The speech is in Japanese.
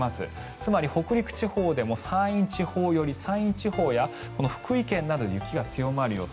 つまり、北陸地方でも山陰地方寄り山陰地方よりも福井県などで雪が強まる予想。